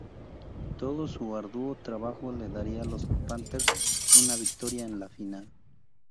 Todo su arduo trabajo le daría a los Panthers una victoria en la final.